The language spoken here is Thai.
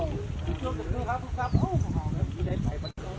สุดท้ายเมื่อเวลาสุดท้ายเมื่อเวลาสุดท้าย